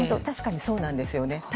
確かにそうなんですよね。